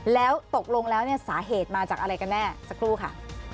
แล้วตกลงแล้วเนี่ยสาเหตุมาจากอะไรกันแน่สักครู่ค่ะ